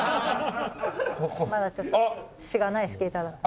まだちょっとしがないスケーターだった。